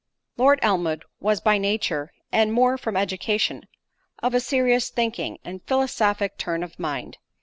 Lord Elmwood was by nature, and more from education, of a serious, thinking, and philosophic turn of mind.